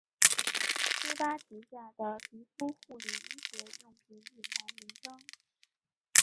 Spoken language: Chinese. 施巴旗下的皮肤护理医学用品品牌名称。